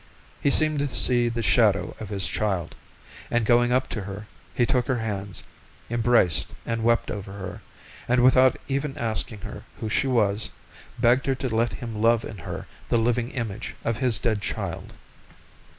He seemed to see the shadow of his child, and going up to her, he took her hands, embraced and wept over her, and without even asking her who she was, begged her to let him love in her the living image of his dead child.